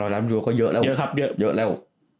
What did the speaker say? ๕๐๐ล้านยูโรก็เยอะแล้ว